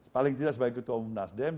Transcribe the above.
paling tidak sebagai ketua umum nasdem